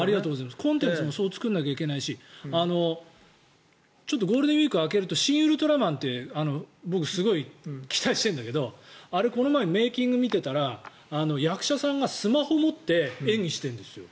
コンテンツもそう作らないといけないしちょっとゴールデンウィーク明けると「シン・ウルトラマン」って僕、すごく期待してるんだけどこの前メイキング見ていたら役者さんがスマホを持って演技しているんですよ。